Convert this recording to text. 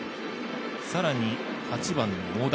さらに８番の小田。